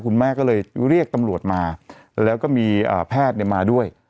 คุณแม่ก็เลยเรียกตำรวจมาแล้วก็มีแพทย์มาด้วย